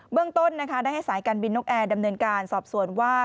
เรื่องต้นนะคะได้ให้สายการบินนกแอร์ดำเนินการสอบสวนว่า